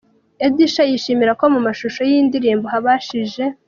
Edsha yishimira ko mu mashusho yiyi ndirimbo habashije.